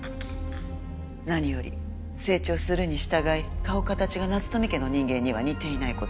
何より成長するに従い顔かたちが夏富家の人間には似ていない事。